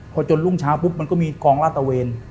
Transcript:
พอจนรุ่งเช้าปุ๊บมันก็มีกองลาตะเวน